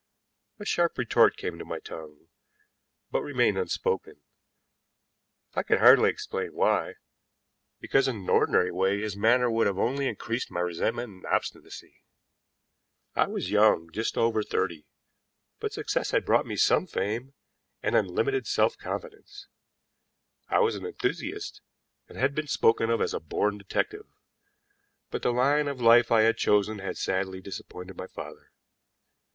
A sharp retort came to my tongue, but remained unspoken. I can hardly explain why, because in an ordinary way his manner would only have increased my resentment and obstinacy. I was young, only just over thirty, but success had brought me some fame and unlimited self confidence. I was an enthusiast, and have been spoken of as a born detective, but the line of life I had chosen had sadly disappointed my father.